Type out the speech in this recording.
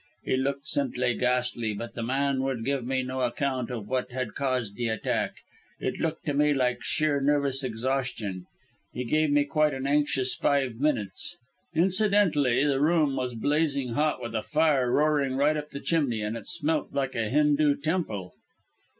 He looked simply ghastly, but the man would give me no account of what had caused the attack. It looked to me like sheer nervous exhaustion. He gave me quite an anxious five minutes. Incidentally, the room was blazing hot, with a fire roaring right up the chimney, and it smelt like a Hindu temple."